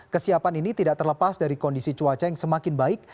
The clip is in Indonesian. kesiapan ini tidak terlepas dari kondisi cuaca yang semakin baik